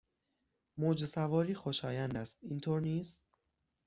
موج سواری خوشایند است، اینطور نیست؟